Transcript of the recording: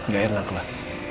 gak enak lah